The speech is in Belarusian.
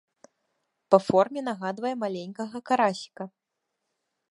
Па форме нагадвае маленькага карасіка.